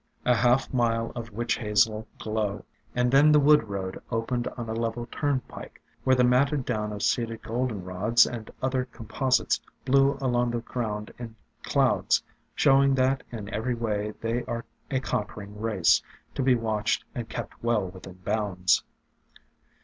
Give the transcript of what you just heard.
A half mile of Witch Hazel glow, and then the wood road opened on a level turnpike, where the matted down of seeded Goldenrods and other com posites blew along the ground in clouds, showing that in every way they are a conquering race, to be watched and kept well within bounds.